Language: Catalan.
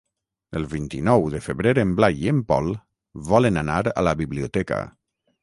El vint-i-nou de febrer en Blai i en Pol volen anar a la biblioteca.